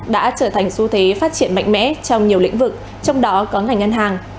đã trở thành xu thế phát triển mạnh mẽ trong nhiều lĩnh vực trong đó có ngành ngân hàng